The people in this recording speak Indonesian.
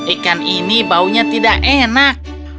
ikan ini baunya tidak enak